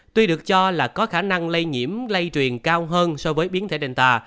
tuy được cho là có khả năng lây nhiễm lây truyền cao hơn so với biến thể danta